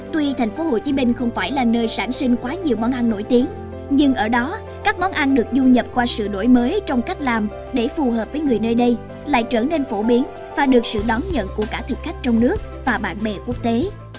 tuy tp hcm không phải là nơi sản sinh quá nhiều món ăn nổi tiếng nhưng ở đó các món ăn được du nhập qua sự đổi mới trong cách làm để phù hợp với người nơi đây lại trở nên phổ biến và được sự đón nhận của cả thực khách trong nước và bạn bè quốc tế